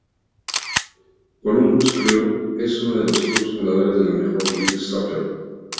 Columbus Crew es uno de los clubes fundadores de la Major League Soccer.